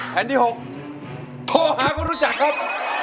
แผ่นที่๖โทรหาคนรู้จักครับ